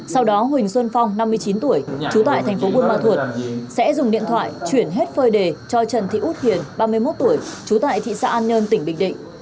sau đó huỳnh xuân phong năm mươi chín tuổi trú tại thành phố buôn ma thuột sẽ dùng điện thoại chuyển hết phơi đề cho trần thị út hiền ba mươi một tuổi trú tại thị xã an nhơn tỉnh bình định